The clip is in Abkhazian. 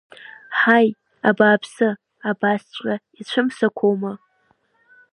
Ҳаи, абааԥс, абасҵәҟьа ицәымсақәоума?